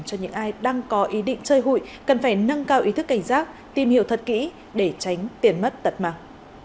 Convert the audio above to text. cho những ai đang có ý định chơi hụi cần phải nâng cao ý thức cảnh giác tìm hiểu thật kỹ để tránh tiền mất tật mạng